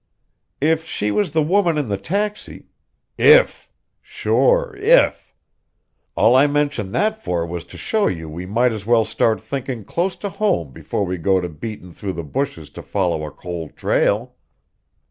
"If she was the woman in the taxi " "If! Sure if! All I mentioned that for was to show you we might as well start thinking close to home before we go to beatin' through the bushes to follow a cold trail."